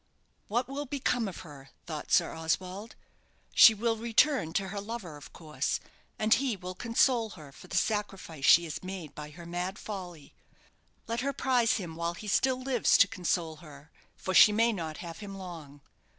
"What will become of her?" thought Sir Oswald. "She will return to her lover, of course, and he will console her for the sacrifice she has made by her mad folly. Let her prize him while he still lives to console her; for she may not have him long.